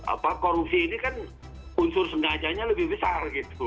apa korupsi ini kan unsur sengajanya lebih besar gitu